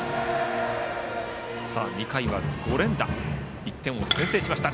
２回は５連打で１点を先制しました。